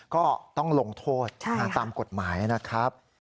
ก็ต้องลงโทษตามกฎหมายนะครับ